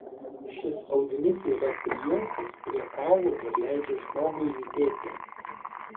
Šis audinys yra prijungtas prie kaulų ir leidžia žmogui judėti.